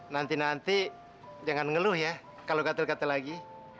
nanti nanti jangan ngeluh ya kalau gatal gatal lagi